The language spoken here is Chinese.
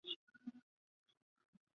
圣茹安德布拉武。